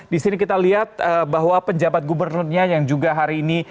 di sini kita lihat bahwa penjabat gubernurnya yang juga hari ini